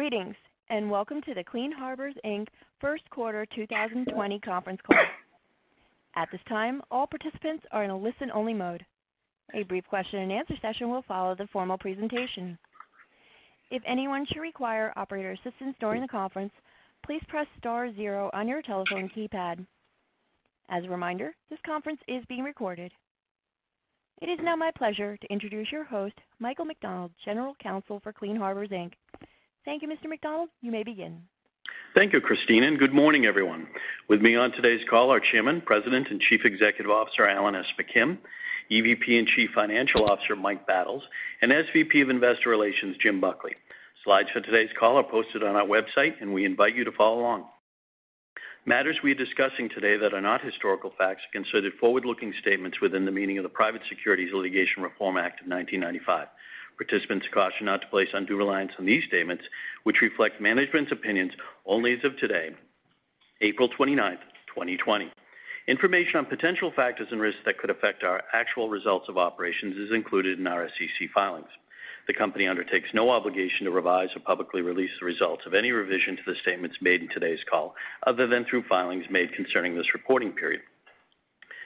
Greetings, welcome to the Clean Harbors Inc. Q1 2020 conference call. At this time, all participants are in a listen-only mode. A brief question-and-answer session will follow the formal presentation. If anyone should require operator assistance during the conference, please press star zero on your telephone keypad. As a reminder, this conference is being recorded. It is now my pleasure to introduce your host, Michael McDonald, General Counsel for Clean Harbors Inc. Thank you, Mr. McDonald. You may begin. Thank you, Christine, and good morning, everyone. With me on today's call are Chairman, President, and Chief Executive Officer, Alan S. McKim, EVP and Chief Financial Officer, Mike Battles, and SVP of Investor Relations, Jim Buckley. Slides for today's call are posted on our website, and we invite you to follow along. Matters we are discussing today that are not historical facts are considered forward-looking statements within the meaning of the Private Securities Litigation Reform Act of 1995. Participants are cautioned not to place undue reliance on these statements, which reflect management's opinions only as of today, 29 April 2020. Information on potential factors and risks that could affect our actual results of operations is included in our SEC filings. The company undertakes no obligation to revise or publicly release the results of any revision to the statements made in today's call other than through filings made concerning this reporting period.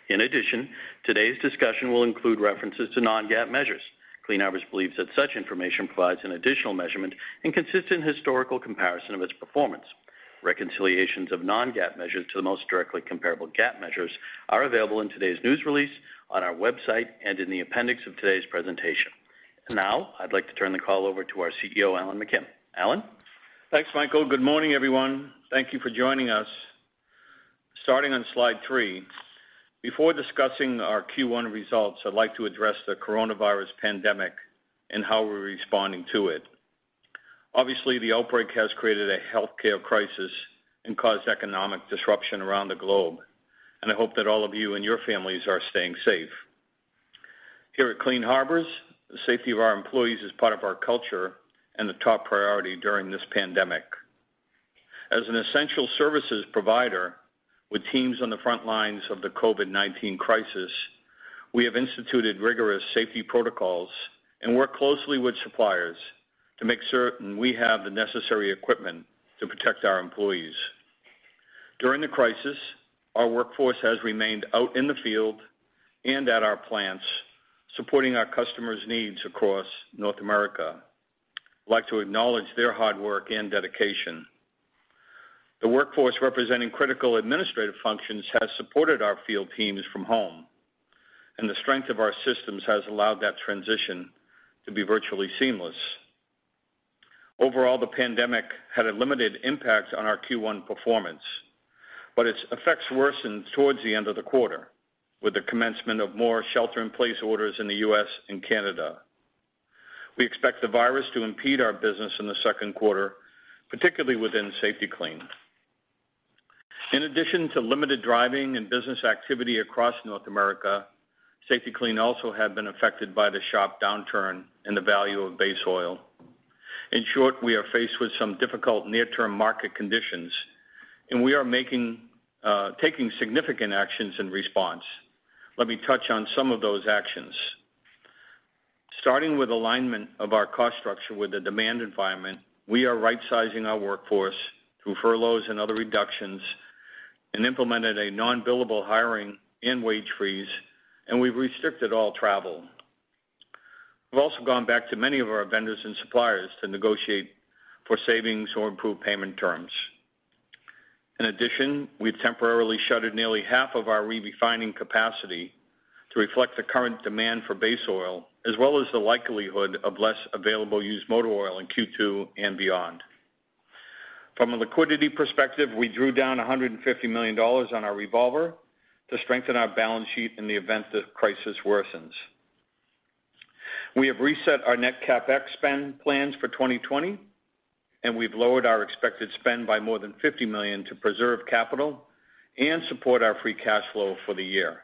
In addition, today's discussion will include references to non-GAAP measures. Clean Harbors believes that such information provides an additional measurement and consistent historical comparison of its performance. Reconciliations of non-GAAP measures to the most directly comparable GAAP measures are available in today's news release, on our website, and in the appendix of today's presentation. Now, I'd like to turn the call over to our CEO, Alan McKim. Alan? Thanks, Michael. Good morning, everyone. Thank you for joining us. Starting on slide three, before discussing our Q1 results, I'd like to address the coronavirus pandemic and how we're responding to it. Obviously, the outbreak has created a healthcare crisis and caused economic disruption around the globe, and I hope that all of you and your families are staying safe. Here at Clean Harbors, the safety of our employees is part of our culture and the top priority during this pandemic. As an essential services provider with teams on the front lines of the COVID-19 crisis, we have instituted rigorous safety protocols and work closely with suppliers to make certain we have the necessary equipment to protect our employees. During the crisis, our workforce has remained out in the field and at our plants, supporting our customers' needs across North America. I'd like to acknowledge their hard work and dedication. The workforce representing critical administrative functions has supported our field teams from home, and the strength of our systems has allowed that transition to be virtually seamless. Overall, the pandemic had a limited impact on our Q1 performance, but its effects worsened towards the end of the quarter with the commencement of more shelter-in-place orders in the U.S. and Canada. We expect the virus to impede our business in the Q2, particularly within Safety-Kleen. In addition to limited driving and business activity across North America, Safety-Kleen also had been affected by the sharp downturn in the value of base oil. In short, we are faced with some difficult near-term market conditions, and we are taking significant actions in response. Let me touch on some of those actions. Starting with alignment of our cost structure with the demand environment, we are rightsizing our workforce through furloughs and other reductions. We implemented a non-billable hiring and wage freeze. We've restricted all travel. We've also gone back to many of our vendors and suppliers to negotiate for savings or improved payment terms. In addition, we've temporarily shuttered nearly half of our refining capacity to reflect the current demand for base oil, as well as the likelihood of less available used motor oil in Q2 and beyond. From a liquidity perspective, we drew down $150 million on our revolver to strengthen our balance sheet in the event that crisis worsens. We have reset our net CapEx spend plans for 2020. We've lowered our expected spend by more than $50 million to preserve capital and support our adjusted free cash flow for the year.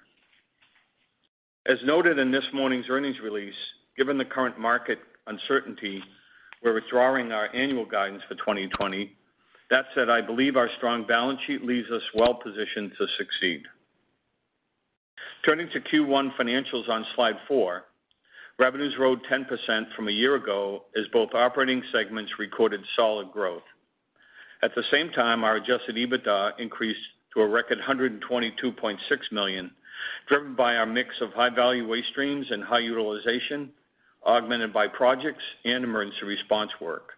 As noted in this morning's earnings release, given the current market uncertainty, we're withdrawing our annual guidance for 2020. That said, I believe our strong balance sheet leaves us well positioned to succeed. Turning to Q1 financials on slide four, revenues rose 10% from a year ago as both operating segments recorded solid growth. At the same time, our adjusted EBITDA increased to a record $122.6 million, driven by our mix of high-value waste streams and high utilization, augmented by projects and emergency response work.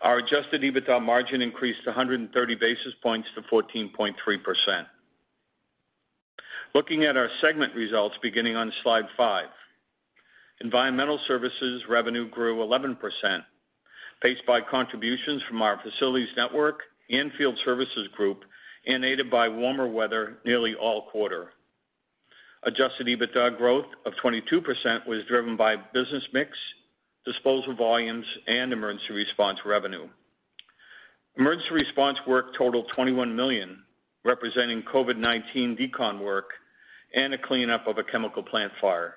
Our adjusted EBITDA margin increased 130 basis points to 14.3%. Looking at our segment results beginning on slide five. Environmental Services revenue grew 11%, paced by contributions from our facilities network and field services group and aided by warmer weather nearly all quarter. Adjusted EBITDA growth of 22% was driven by business mix, disposal volumes, and emergency response revenue. Emergency response work totaled $21 million, representing COVID-19 decon work and a cleanup of a chemical plant fire.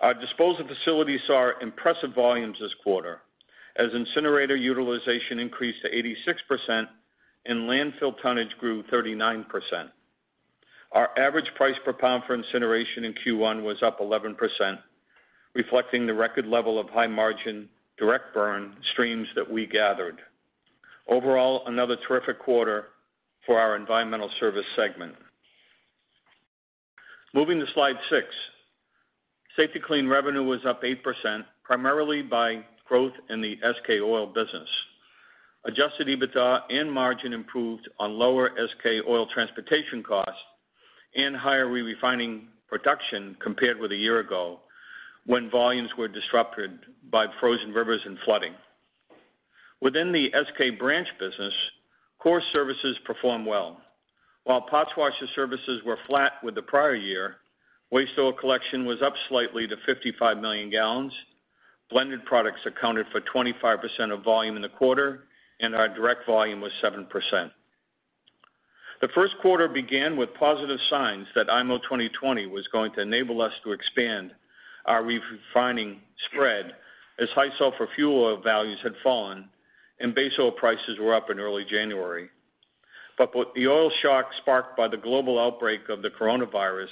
Our disposal facilities saw impressive volumes this quarter as incinerator utilization increased to 86% and landfill tonnage grew 39%. Our average price per pound for incineration in Q1 was up 11%, reflecting the record level of high-margin direct burn streams that we gathered. Another terrific quarter for our Environmental Services segment. Moving to slide six. Safety-Kleen revenue was up 8%, primarily by growth in the SK Oil business. Adjusted EBITDA and margin improved on lower SK Oil transportation costs and higher re-refining production compared with a year ago, when volumes were disrupted by frozen rivers and flooding. Within the SK Branch business, core services performed well. While parts washer services were flat with the prior year, waste oil collection was up slightly to 55 million gallons. Blended products accounted for 25% of volume in the quarter, and our direct volume was 7%. The Q1 began with positive signs that IMO 2020 was going to enable us to expand our re-refining spread as high sulfur fuel oil values had fallen and base oil prices were up in early January. With the oil shock sparked by the global outbreak of the coronavirus,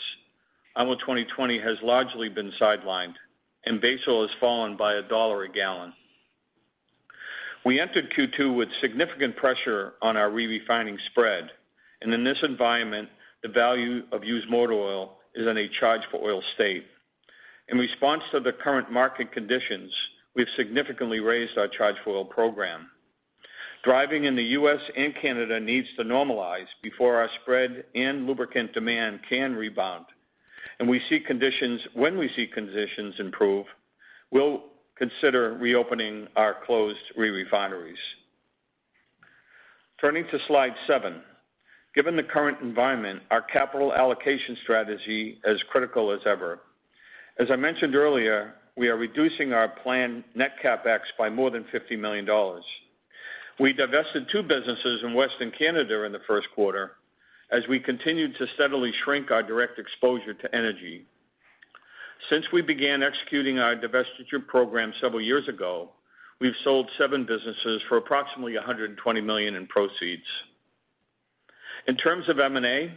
IMO 2020 has largely been sidelined, and base oil has fallen by $1 a gallon. We entered Q2 with significant pressure on our re-refining spread, and in this environment, the value of used motor oil is in a charge-for-oil state. In response to the current market conditions, we've significantly raised our charge-for-oil program. Driving in the U.S. and Canada needs to normalize before our spread and lubricant demand can rebound. When we see conditions improve, we'll consider reopening our closed re-refineries. Turning to slide seven. Given the current environment, our capital allocation strategy is critical as ever. As I mentioned earlier, we are reducing our planned net CapEx by more than $50 million. We divested two businesses in Western Canada in the Q1 as we continued to steadily shrink our direct exposure to energy. Since we began executing our divestiture program several years ago, we've sold seven businesses for approximately $120 million in proceeds. In terms of M&A,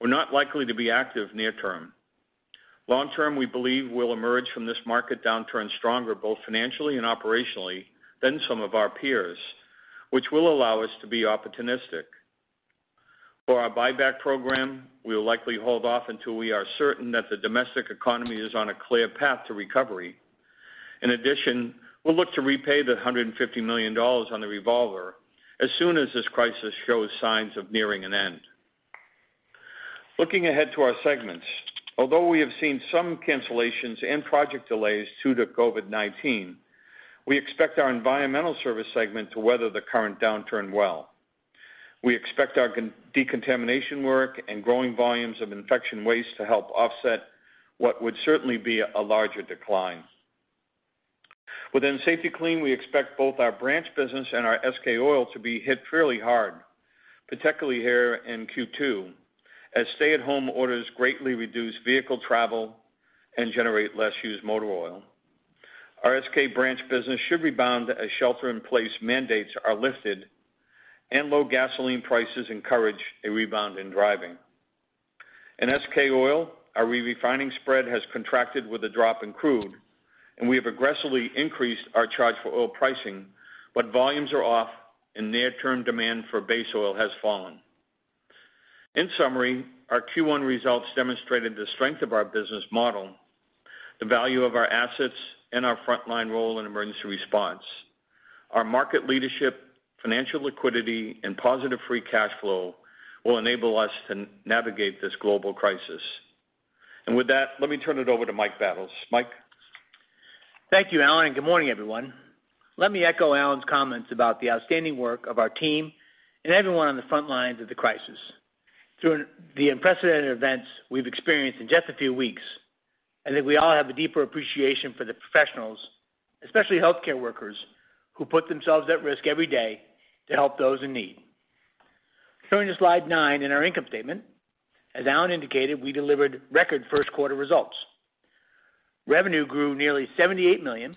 we're not likely to be active near term. Long term, we believe we'll emerge from this market downturn stronger, both financially and operationally, than some of our peers, which will allow us to be opportunistic. For our buyback program, we'll likely hold off until we are certain that the domestic economy is on a clear path to recovery. We'll look to repay the $150 million on the revolver as soon as this crisis shows signs of nearing an end. Looking ahead to our segments, although we have seen some cancellations and project delays due to COVID-19, we expect our Environmental Services segment to weather the current downturn well. We expect our decontamination work and growing volumes of infection waste to help offset what would certainly be a larger decline. Within Safety-Kleen, we expect both our branch business and our SK Oil to be hit fairly hard, particularly here in Q2, as stay-at-home orders greatly reduce vehicle travel and generate less used motor oil. Our SK Branch business should rebound as shelter-in-place mandates are lifted and low gasoline prices encourage a rebound in driving. In SK Oil, our re-refining spread has contracted with a drop in crude, and we have aggressively increased our charge-for-oil pricing, but volumes are off and near-term demand for base oil has fallen. In summary, our Q1 results demonstrated the strength of our business model, the value of our assets, and our frontline role in emergency response. Our market leadership, financial liquidity, and positive adjusted free cash flow will enable us to navigate this global crisis. With that, let me turn it over to Mike Battles. Mike? Thank you, Alan, and good morning, everyone. Let me echo Alan's comments about the outstanding work of our team and everyone on the front lines of the crisis. Through the unprecedented events we've experienced in just a few weeks, I think we all have a deeper appreciation for the professionals, especially healthcare workers, who put themselves at risk every day to help those in need. Turning to slide nine in our income statement. As Alan indicated, we delivered record Q1 results. Revenue grew nearly $78 million,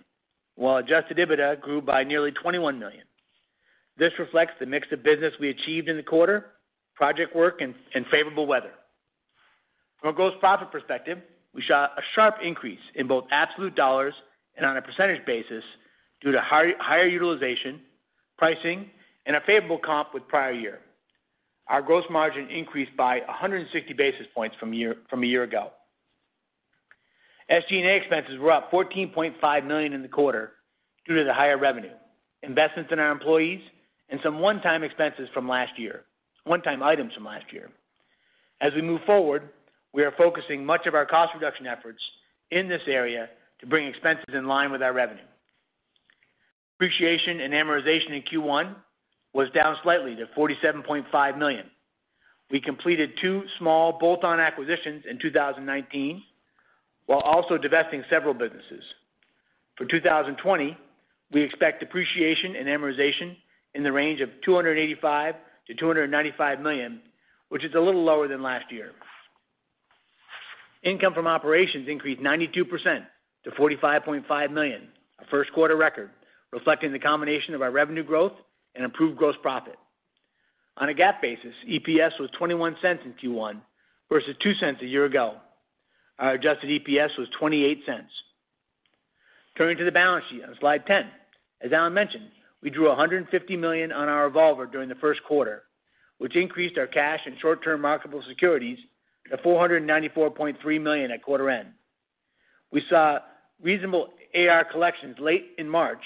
while adjusted EBITDA grew by nearly $21 million. This reflects the mix of business we achieved in the quarter, project work, and favorable weather. From a gross profit perspective, we saw a sharp increase in both absolute dollars and on a percentage basis due to higher utilization, pricing, and a favorable comp with prior year. Our gross margin increased by 160 basis points from a year ago. SG&A expenses were up $14.5 million in the quarter due to the higher revenue, investments in our employees, and some one-time items from last year. As we move forward, we are focusing much of our cost reduction efforts in this area to bring expenses in line with our revenue. Depreciation and amortization in Q1 was down slightly to $47.5 million. We completed two small bolt-on acquisitions in 2019 while also divesting several businesses. For 2020, we expect depreciation and amortization in the range of $285 to $295 million, which is a little lower than last year. Income from operations increased 92% to $45.5 million, our Q1 record, reflecting the combination of our revenue growth and improved gross profit. On a GAAP basis, EPS was $0.21 in Q1 versus $0.02 a year ago. Our adjusted EPS was $0.28. Turning to the balance sheet on slide 10. As Alan mentioned, we drew $150 million on our revolver during the Q1, which increased our cash and short-term marketable securities to $494.3 million at quarter end. We saw reasonable AR collections late in March,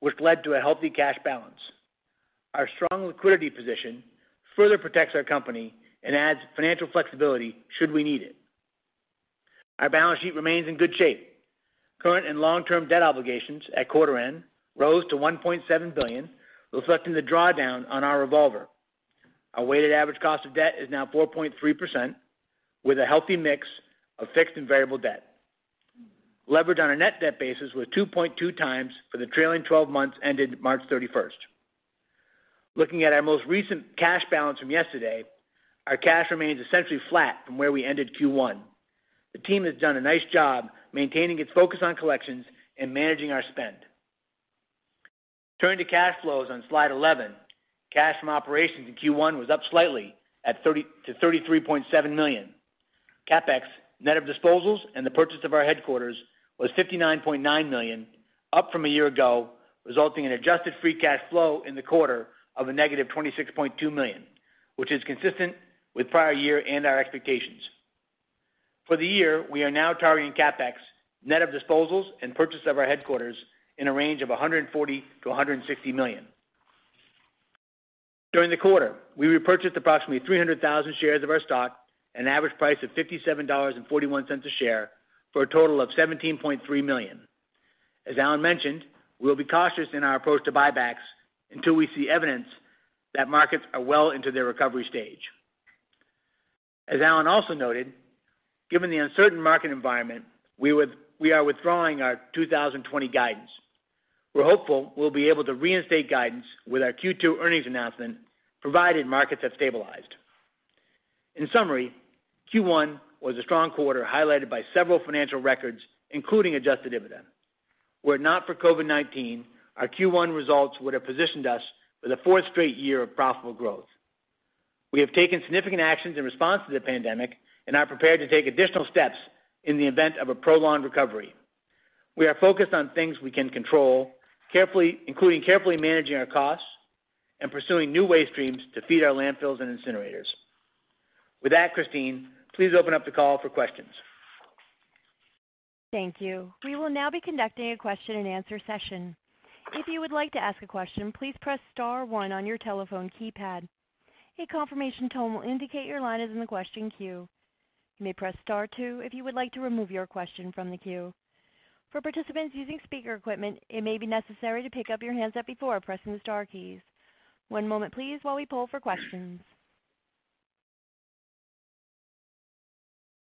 which led to a healthy cash balance. Our strong liquidity position further protects our company and adds financial flexibility should we need it. Our balance sheet remains in good shape. Current and long-term debt obligations at quarter end rose to $1.7 billion, reflecting the drawdown on our revolver. Our weighted average cost of debt is now 4.3%, with a healthy mix of fixed and variable debt. Leverage on a net debt basis was 2.2 times for the trailing 12 months ended March 31st. Looking at our most recent cash balance from yesterday, our cash remains essentially flat from where we ended Q1. The team has done a nice job maintaining its focus on collections and managing our spend. Turning to cash flows on slide 11. Cash from operations in Q1 was up slightly to $33.7 million. CapEx, net of disposals and the purchase of our headquarters, was $59.9 million, up from a year ago, resulting in adjusted free cash flow in the quarter of a negative $26.2 million, which is consistent with prior year and our expectations. For the year, we are now targeting CapEx, net of disposals and purchase of our headquarters, in a range of $140 million-$160 million. During the quarter, we repurchased approximately 300,000 shares of our stock at an average price of $57.41 a share for a total of $17.3 million. As Alan mentioned, we'll be cautious in our approach to buybacks until we see evidence that markets are well into their recovery stage. As Alan also noted, given the uncertain market environment, we are withdrawing our 2020 guidance. We're hopeful we'll be able to reinstate guidance with our Q2 earnings announcement, provided markets have stabilized. In summary, Q1 was a strong quarter highlighted by several financial records, including adjusted EBITDA. Were it not for COVID-19, our Q1 results would have positioned us for the fourth straight year of profitable growth. We have taken significant actions in response to the pandemic and are prepared to take additional steps in the event of a prolonged recovery. We are focused on things we can control, including carefully managing our costs and pursuing new waste streams to feed our landfills and incinerators. With that, Christine, please open up the call for questions. Thank you. We will now be conducting a question and answer session. If you would like to ask a question, please press star one on your telephone keypad. A confirmation tone will indicate your line is in the question queue. You may press star two if you would like to remove your question from the queue. For participants using speaker equipment, it may be necessary to pick up your handset before pressing the star keys. One moment please while we poll for questions.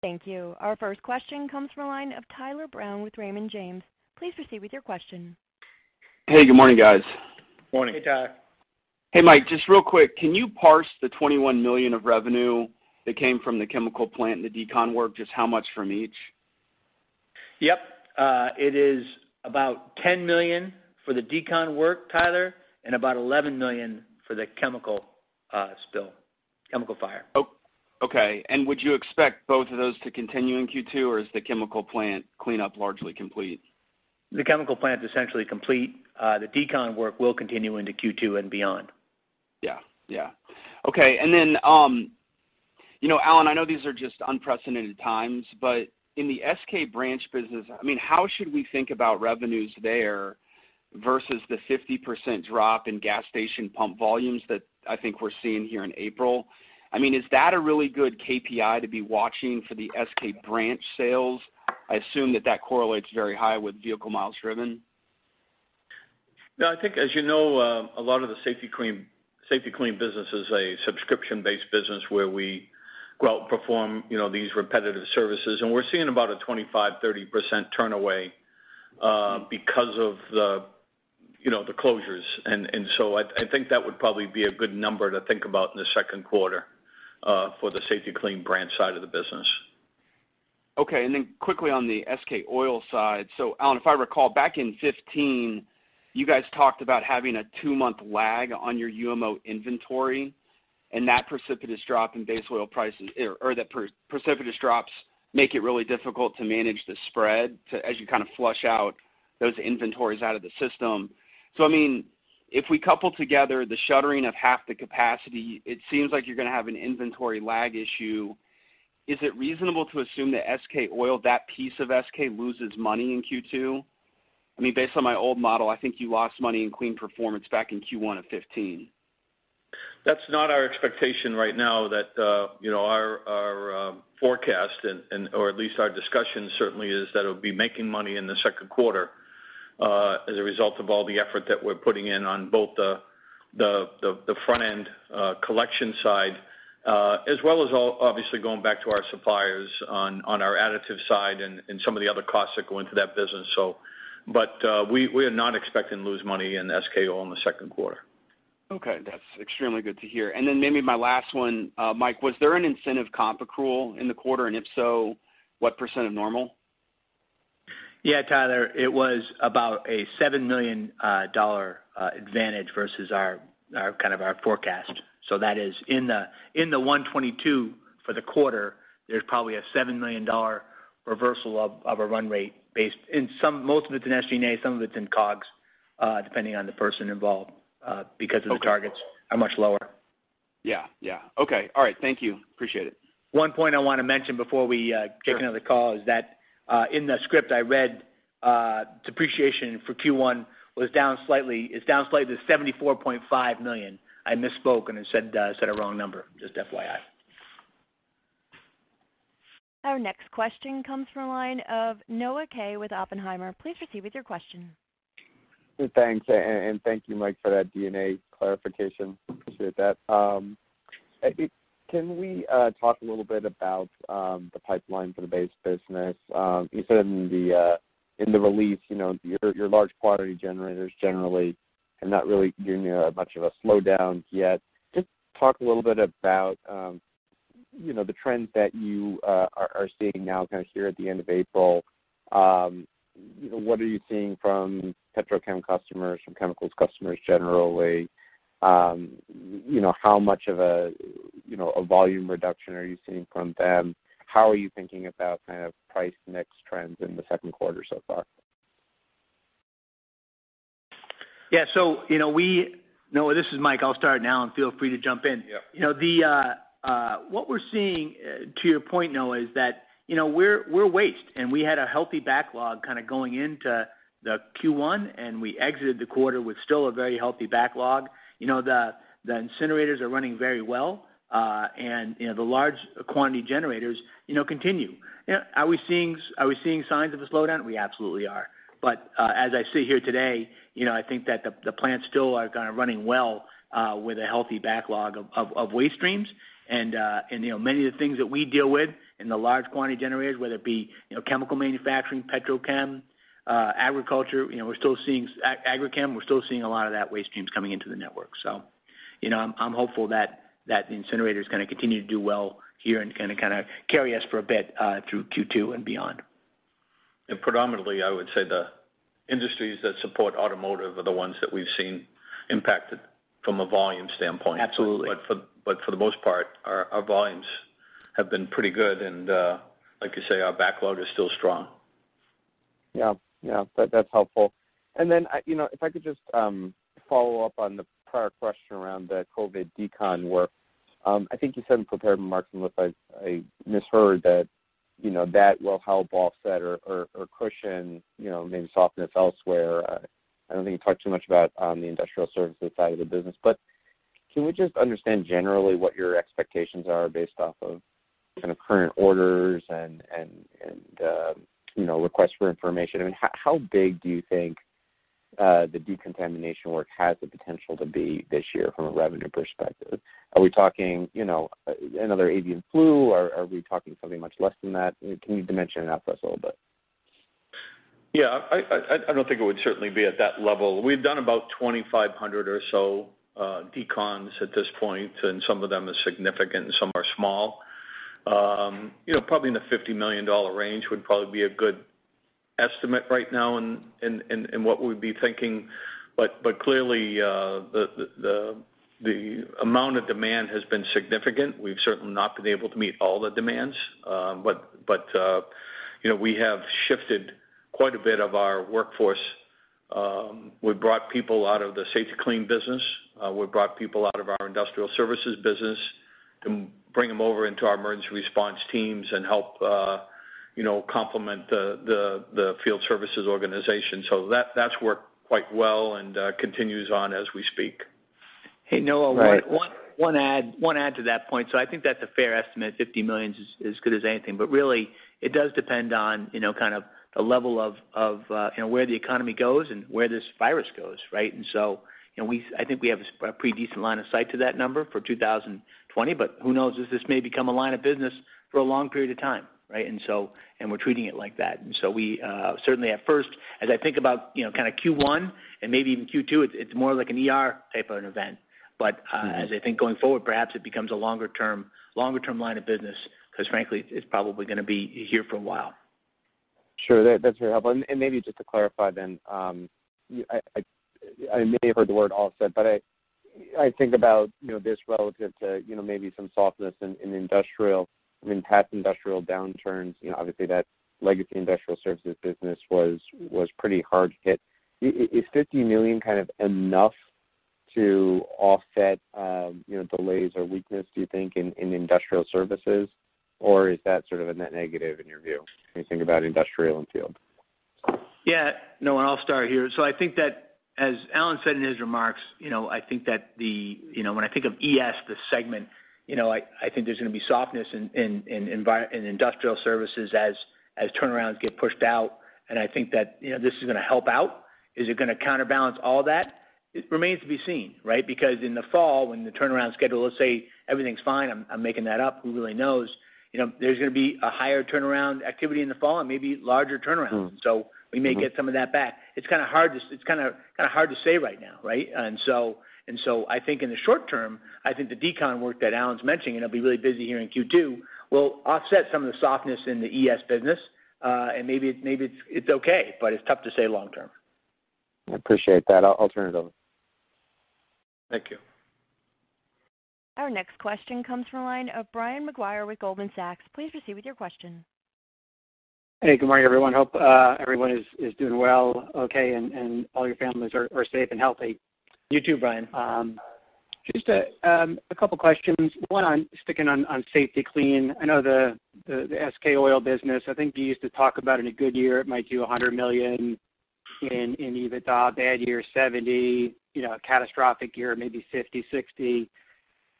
Thank you. Our first question comes from the line of Tyler Brown with Raymond James. Please proceed with your question. Hey, good morning, guys. Morning. Hey, Ty. Hey, Mike, just real quick, can you parse the $21 million of revenue that came from the chemical plant and the decon work? Just how much from each? Yep. It is about $10 million for the decon work, Tyler, and about $11 million for the chemical spill, chemical fire. Okay. Would you expect both of those to continue in Q2, or is the chemical plant cleanup largely complete? The chemical plant is essentially complete. The decon work will continue into Q2 and beyond. Yeah. Okay. Alan, I know these are just unprecedented times, but in the SK branch business, how should we think about revenues there versus the 50% drop in gas station pump volumes that I think we're seeing here in April? Is that a really good KPI to be watching for the SK branch sales? I assume that that correlates very high with vehicle miles driven. No, I think as you know, a lot of the Safety-Kleen business is a subscription-based business where we go out and perform these repetitive services, and we're seeing about a 25%-30% turn away because of the closures. I think that would probably be a good number to think about in the Q2 for the Safety-Kleen branch side of the business. Okay, quickly on the SK Oil side. Alan, if I recall back in 2015, you guys talked about having a two-month lag on your UMO inventory, and that precipitous drop in base oil prices, or the precipitous drops make it really difficult to manage the spread as you kind of flush out those inventories out of the system. If we couple together the shuttering of half the capacity, it seems like you're going to have an inventory lag issue. Is it reasonable to assume that SK Oil, that piece of SK loses money in Q2? Based on my old model, I think you lost money in Kleen Performance back in Q1 of 2015. That's not our expectation right now that our forecast, or at least our discussion certainly is that it'll be making money in the Q2 as a result of all the effort that we're putting in on both the front-end collection side, as well as obviously going back to our suppliers on our additive side and some of the other costs that go into that business. We are not expecting to lose money in SK Oil in the Q2. Okay, that's extremely good to hear. Maybe my last one, Mike, was there an incentive comp accrual in the quarter? If so, what percent of normal? Yeah, Tyler, it was about a $7 million advantage versus our forecast. That is in the $122 for the quarter, there's probably a $7 million reversal of a run rate based most of it's in SG&A, some of it's in COGS, depending on the person involved, because the targets are much lower. Yeah. Okay. All right. Thank you. Appreciate it. One point I want to mention before we take another call is that, in the script I read, depreciation for Q1 is down slightly to $74.5 million. I misspoke and said a wrong number. Just FYI. Our next question comes from the line of Noah Kaye with Oppenheimer. Please proceed with your question. Thanks. thank you, Mike, for that D&A clarification. Appreciate that. Can we talk a little bit about the pipeline for the base business? You said in the release, your large quantity generators generally are not really giving you much of a slowdown yet. Just talk a little bit about the trends that you are seeing now here at the end of April. What are you seeing from petrochem customers, from chemicals customers generally? How much of a volume reduction are you seeing from them? How are you thinking about price mix trends in the Q2 so far? Yeah. Noah, this is Mike. I'll start now and feel free to jump in. Yeah. What we're seeing, to your point, Noah, is that we're waste, and we had a healthy backlog going into the Q1, and we exited the quarter with still a very healthy backlog. The incinerators are running very well, and the large quantity generators continue. Are we seeing signs of a slowdown? We absolutely are. As I sit here today, I think that the plants still are kind of running well, with a healthy backlog of waste streams and many of the things that we deal with in the large quantity generators, whether it be chemical manufacturing, petrochem, agriculture, agrichem, we're still seeing a lot of that waste streams coming into the network. I'm hopeful that the incinerators continue to do well here and carry us for a bit, through Q2 and beyond. Predominantly, I would say the industries that support automotive are the ones that we've seen impacted from a volume standpoint. Absolutely. For the most part, our volumes have been pretty good and, like you say, our backlog is still strong. Yeah. That's helpful. If I could just follow up on the prior question around the COVID decon work. I think you said in prepared remarks, unless I misheard, that that will help offset or cushion, maybe softness elsewhere. I don't think you talked too much about the industrial services side of the business, but can we just understand generally what your expectations are based off of current orders and requests for information? I mean, how big do you think the decontamination work has the potential to be this year from a revenue perspective? Are we talking another avian flu or are we talking something much less than that? Can you dimension it out for us a little bit? Yeah, I don't think it would certainly be at that level. We've done about 2,500 or so decons at this point, and some of them are significant, some are small. Probably in the $50 million range would probably be a good estimate right now in what we'd be thinking. Clearly, the amount of demand has been significant. We've certainly not been able to meet all the demands. We have shifted quite a bit of our workforce. We've brought people out of the Safety-Kleen business. We've brought people out of our industrial services business to bring them over into our emergency response teams and help complement the field services organization. That's worked quite well and continues on as we speak. Hey, Noah. Right. One add to that point. I think that's a fair estimate, $50 million is as good as anything. Really, it does depend on the level of where the economy goes and where this virus goes, right? I think we have a pretty decent line of sight to that number for 2020, but who knows if this may become a line of business for a long period of time, right? We're treating it like that. We, certainly at first, as I think about Q1 and maybe even Q2, it's more like an ER type of an event. As I think going forward, perhaps it becomes a longer-term line of business, because frankly, it's probably going to be here for a while. Sure. That's very helpful. Maybe just to clarify then, I may have heard the word offset, but I think about this relative to maybe some softness in past industrial downturns. Obviously that legacy industrial services business was pretty hard hit. Is $50 million enough to offset delays or weakness, do you think, in industrial services? Is that sort of a net negative in your view when you think about industrial and field? Yeah. Noah, and I'll start here. I think that, as Alan said in his remarks, when I think of ES, the segment, I think there's going to be softness in industrial services as turnarounds get pushed out, and I think that this is going to help out. Is it going to counterbalance all that? It remains to be seen, right? Because in the fall, when the turnaround schedule, let's say, everything's fine, I'm making that up. Who really knows? There's going to be a higher turnaround activity in the fall and maybe larger turnaround. We may get some of that back. It's kind of hard to say right now, right? I think in the short term, I think the decon work that Alan's mentioning, it'll be really busy here in Q2, will offset some of the softness in the ES business. Maybe it's okay, but it's tough to say long term. I appreciate that. I'll turn it over. Thank you. Our next question comes from the line of Brian Maguire with Goldman Sachs. Please proceed with your question. Hey, good morning, everyone. Hope everyone is doing well, okay, and all your families are safe and healthy. You too, Brian. Just a couple questions. One on sticking on Safety-Kleen. I know the SK Oil business, I think you used to talk about in a good year it might do $100 million in EBITDA, bad year $70 million, catastrophic year maybe $50 million, $60 million.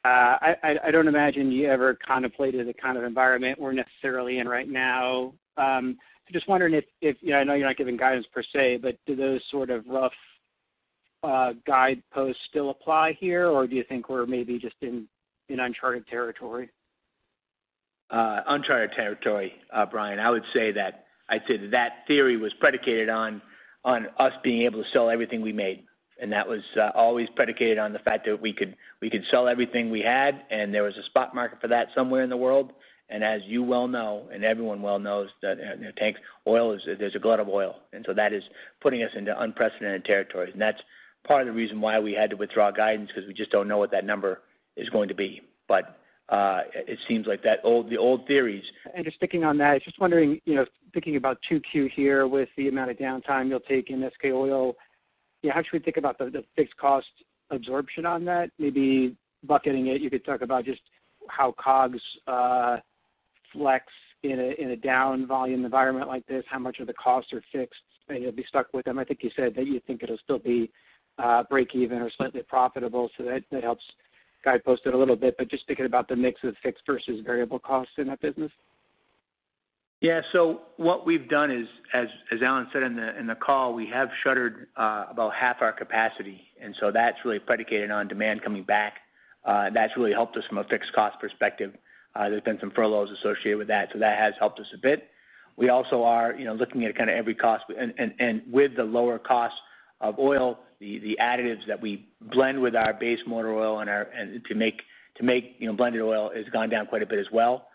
I don't imagine you ever contemplated the kind of environment we're necessarily in right now. just wondering if I know you're not giving guidance per se, but do those sort of rough guideposts still apply here, or do you think we're maybe just in uncharted territory? Uncharted territory, Brian. I would say that theory was predicated on us being able to sell everything we made, and that was always predicated on the fact that we could sell everything we had, and there was a spot market for that somewhere in the world. As you well know, and everyone well knows that oil is, there's a glut of oil, and so that is putting us into unprecedented territory. That's part of the reason why we had to withdraw guidance, because we just don't know what that number is going to be. It seems like the old theories- Just sticking on that, I was just wondering, thinking about 2Q here with the amount of downtime you'll take in SK Oil, how should we think about the fixed cost absorption on that? Maybe bucketing it, you could talk about just how COGS flex in a down volume environment like this, how much of the costs are fixed, and you'll be stuck with them. I think you said that you think it'll still be breakeven or slightly profitable, so that helps guidepost it a little bit. Just thinking about the mix of fixed versus variable costs in that business. Yeah. What we've done is, as Alan said in the call, we have shuttered about half our capacity, and so that's really predicated on demand coming back. That's really helped us from a fixed cost perspective. There's been some furloughs associated with that, so that has helped us a bit. We also are looking at every cost, and with the lower cost of oil, the additives that we blend with our base motor oil to make blended oil has gone down quite a bit as well.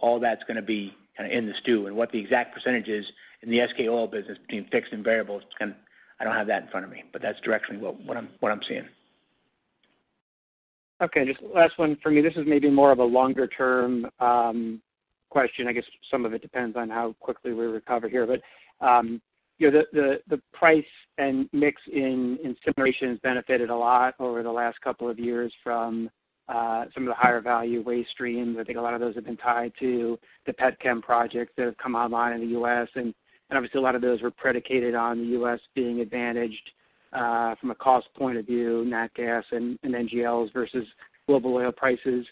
All that's going to be kind of in the stew and what the exact percentage is in the SK Oil business between fixed and variables, I don't have that in front of me. That's directionally what I'm seeing. Okay, just last one for me. This is maybe more of a longer-term question. I guess some of it depends on how quickly we recover here, but the price and mix in incineration has benefited a lot over the last couple of years from some of the higher value waste streams. I think a lot of those have been tied to the petchem projects that have come online in the U.S., and obviously, a lot of those were predicated on the U.S. being advantaged from a cost point of view, nat gas and NGLs versus global oil prices.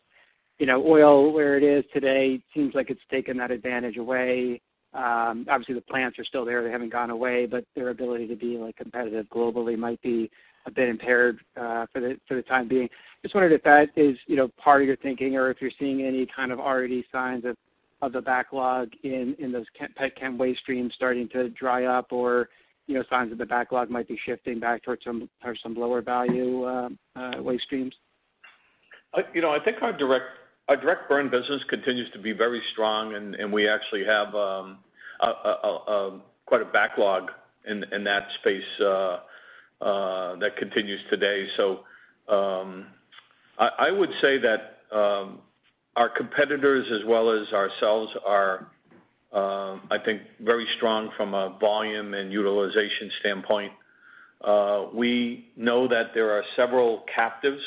Oil, where it is today, seems like it's taken that advantage away. Obviously, the plants are still there. They haven't gone away, but their ability to be competitive globally might be a bit impaired for the time being. Just wondering if that is part of your thinking or if you're seeing any kind of already signs of the backlog in those petchem waste streams starting to dry up or signs that the backlog might be shifting back towards some lower value waste streams. I think our direct burn business continues to be very strong, and we actually have quite a backlog in that space that continues today. I would say that our competitors as well as ourselves are, I think, very strong from a volume and utilization standpoint. We know that there are several captives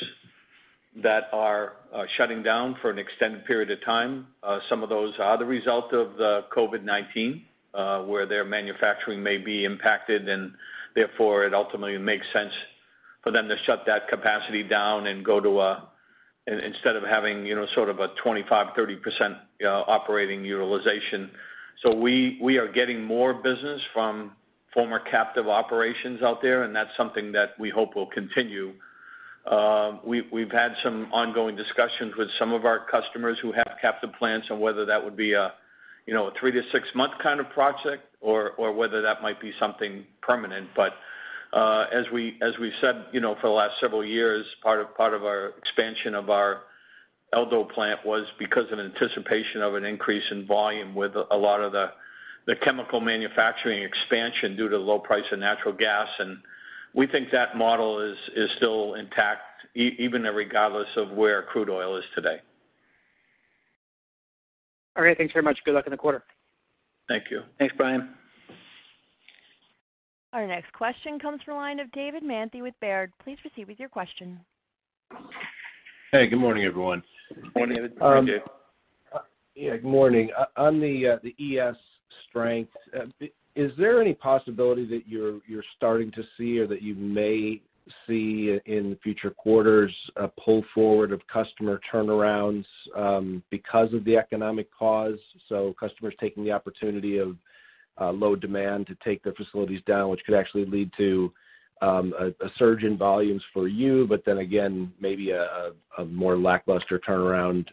that are shutting down for an extended period of time. Some of those are the result of the COVID-19 where their manufacturing may be impacted, and therefore it ultimately makes sense for them to shut that capacity down instead of having sort of a 25%-30% operating utilization. We are getting more business from former captive operations out there, and that's something that we hope will continue. We've had some ongoing discussions with some of our customers who have captive plants on whether that would be a three to six month kind of project or whether that might be something permanent. as we've said for the last several years, part of our expansion of our El Dorado plant was because of anticipation of an increase in volume with a lot of the chemical manufacturing expansion due to low price of natural gas. we think that model is still intact even regardless of where crude oil is today. All right. Thanks very much. Good luck in the quarter. Thank you. Thanks, Brian. Our next question comes from the line of David Manthey with Baird. Please proceed with your question. Hey, good morning, everyone. Morning David. How are you doing? Yeah. Good morning. On the ES strength, is there any possibility that you're starting to see or that you may see in future quarters a pull forward of customer turnarounds because of the economic cause? Customers taking the opportunity of low demand to take their facilities down, which could actually lead to a surge in volumes for you, but then again, maybe a more lackluster turnaround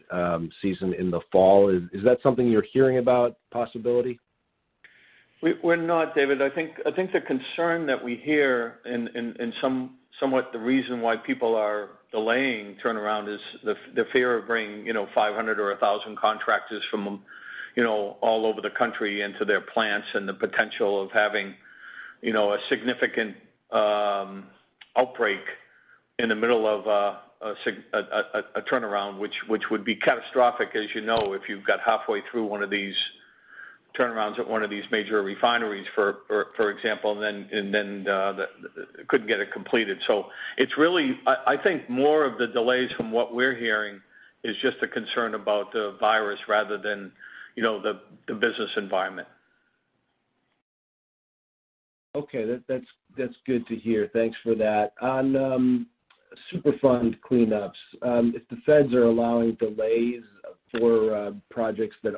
season in the fall. Is that something you're hearing about possibility? We're not, David. I think the concern that we hear and somewhat the reason why people are delaying turnaround is the fear of bringing 500 or 1,000 contractors from all over the country into their plants and the potential of having a significant outbreak in the middle of a turnaround, which would be catastrophic, as you know, if you've got halfway through one of these turnarounds at one of these major refineries, for example, and then couldn't get it completed. I think more of the delays from what we're hearing is just a concern about the virus rather than the business environment. Okay. That's good to hear. Thanks for that. On Superfund cleanups, if the feds are allowing delays for projects that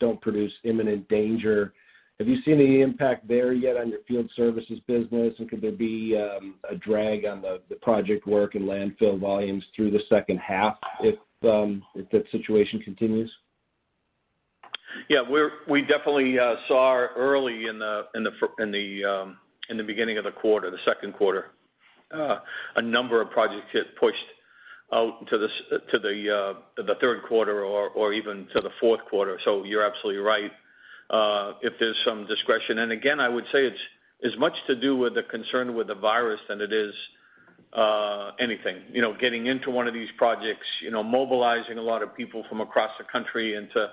don't produce imminent danger, have you seen any impact there yet on your field services business? Could there be a drag on the project work and landfill volumes through the H2 if that situation continues? Yeah. We definitely saw early in the beginning of the quarter, the Q2, a number of projects get pushed out to the Q3 or even to the Q4. You're absolutely right. If there's some discretion, and again, I would say it's as much to do with the concern with the virus than it is anything. Getting into one of these projects, mobilizing a lot of people from across the country into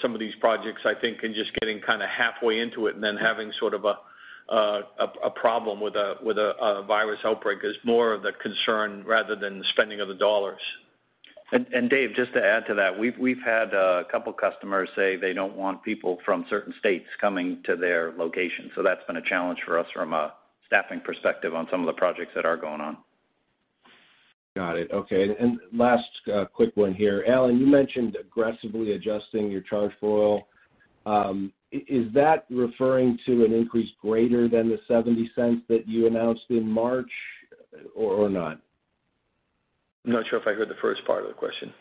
some of these projects, I think, and just getting kind of halfway into it and then having sort of a problem with a virus outbreak is more of the concern rather than the spending of the dollars. Dave, just to add to that, we've had a couple customers say they don't want people from certain states coming to their location. That's been a challenge for us from a staffing perspective on some of the projects that are going on. Got it. Okay. Last quick one here. Alan, you mentioned aggressively adjusting your charge for oil. Is that referring to an increase greater than $0.70 that you announced in March or not? I'm not sure if I heard the first part of the question.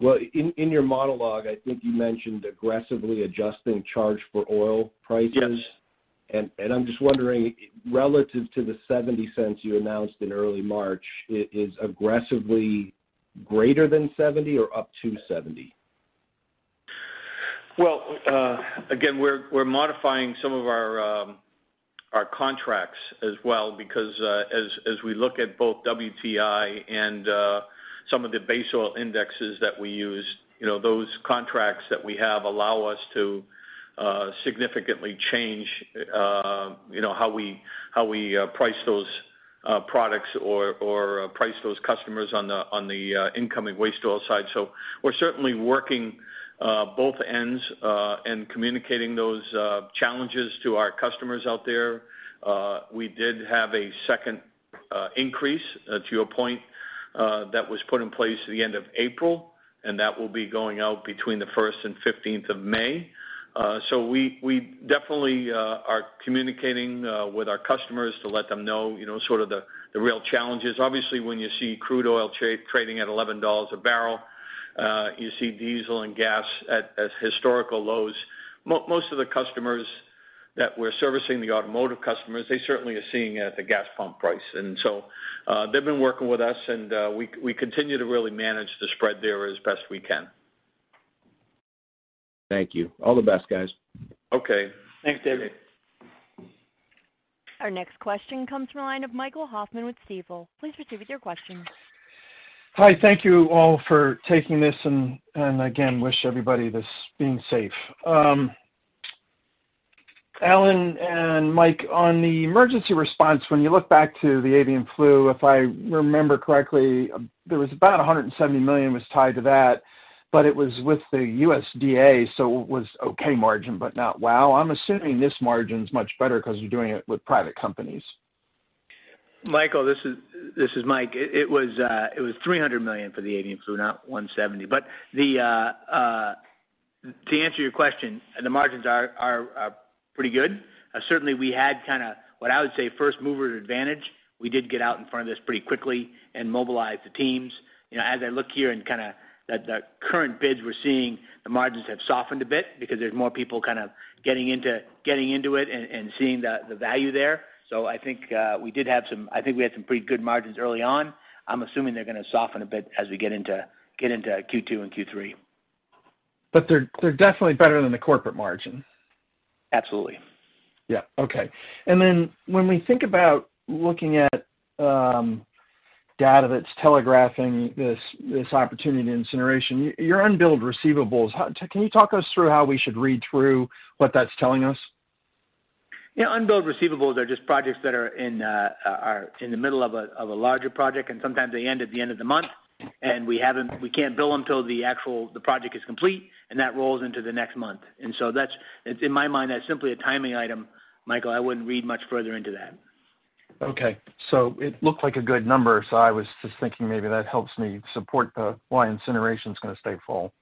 Well, in your monologue, I think you mentioned aggressively adjusting charge for oil prices. Yes. I'm just wondering, relative to the $0.70 you announced in early March, is aggressively greater than $0.70 or up to $0.70? Well, again, we're modifying some of our contracts as well because as we look at both WTI and some of the base oil indexes that we use, those contracts that we have allow us to significantly change how we price those products or price those customers on the incoming waste oil side. We're certainly working both ends and communicating those challenges to our customers out there. We did have a second increase, to your point, that was put in place at the end of April, and that will be going out between the 1 and 15 May. We definitely are communicating with our customers to let them know sort of the real challenges. Obviously, when you see crude oil trading at $11 a barrel, you see diesel and gas at historical lows. Most of the customers that we're servicing, the automotive customers, they certainly are seeing it at the gas pump price. They've been working with us, and we continue to really manage the spread there as best we can. Thank you. All the best, guys. Okay. Thanks, David. Our next question comes from the line of Michael Hoffman with Stifel. Please proceed with your question. Hi, thank you all for taking this and again, wish everybody that's being safe. Alan and Mike, on the emergency response, when you look back to the avian flu, if I remember correctly, there was about $170 million was tied to that, but it was with the USDA, so it was okay margin, but not wow. I'm assuming this margin's much better because you're doing it with private companies. Michael, this is Mike. It was $300 million for the avian flu, not $170. To answer your question, the margins are pretty good. Certainly, we had kind of what I would say first-mover advantage. We did get out in front of this pretty quickly and mobilize the teams. As I look here in kind of the current bids we're seeing, the margins have softened a bit because there's more people kind of getting into it and seeing the value there. I think we had some pretty good margins early on. I'm assuming they're going to soften a bit as we get into Q2 and Q3. they're definitely better than the corporate margin. Absolutely. Yeah. Okay. when we think about looking at data that's telegraphing this opportunity in incineration, your unbilled receivables, can you talk us through how we should read through what that's telling us? Unbilled receivables are just projects that are in the middle of a larger project, and sometimes they end at the end of the month, and we can't bill them until the project is complete, and that rolls into the next month. In my mind, that's simply a timing item, Michael. I wouldn't read much further into that. Okay. It looked like a good number, so I was just thinking maybe that helps me support why incineration's going to stay full.